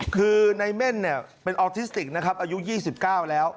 คือในเม่นเนี่ยเป็นออทิสติกนะครับอายุ๒๙แล้ว